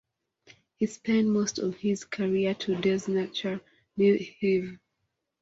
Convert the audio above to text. He spend most of his career to Desna Chernihiv.